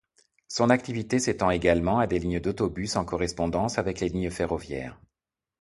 Son activité s'étend également à des lignes d'autobus en correspondance avec les lignes ferroviaires.